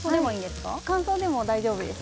乾燥でも大丈夫です。